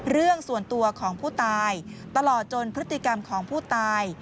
เรื่องส่วนตัวของผู้ตายตลอดจนพฤติกรรมของผู้ตาย